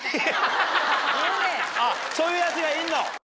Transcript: そういうヤツがいるの？